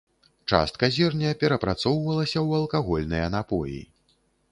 Частка зерня перапрацоўвалася ў алкагольныя напоі.